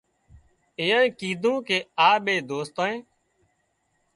اينانئي ڪيڌون ڪي آ ٻي دوستانئي